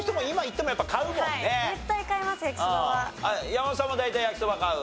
山本さんも大体焼きそば買う？